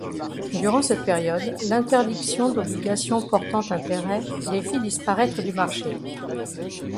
Durant cette période, l'interdiction d'obligations portant intérêt les fit disparaître du marché.